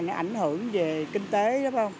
nó ảnh hưởng về kinh tế đúng không